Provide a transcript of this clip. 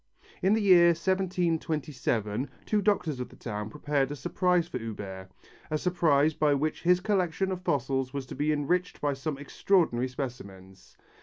In the year 1727 two doctors of the town prepared a surprise for Huber, a surprise by which his collection of fossils was to be enriched by some extraordinary specimens.